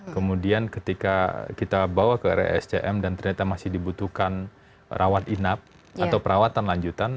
kemudian ketika kita bawa ke rscm dan ternyata masih dibutuhkan rawat inap atau perawatan lanjutan